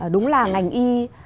đúng là ngành y